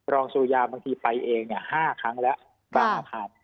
รองสุยาบางทีไปเองเนี่ยห้าครั้งแล้วบางอาคาร